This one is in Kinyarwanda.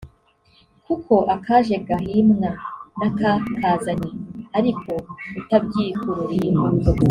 kuko akaje gahimwa n’akakazanye ariko utabyikururiye